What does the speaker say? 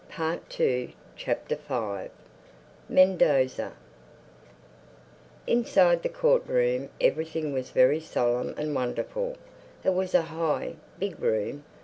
THE FIFTH CHAPTER MENDOZA INSIDE the court room everything was very solemn and wonderful. It was a high, big room.